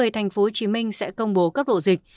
tp hcm sẽ công bố cấp độ dịch